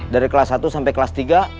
dari kelas satu sampai kelas tiga